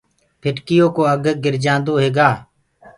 ڦُٽِيو ڪو اَگھ گِرجآنٚدو هيگآ